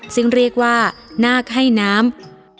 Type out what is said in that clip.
ซึ่งเรียกว่านาคให้น้ำ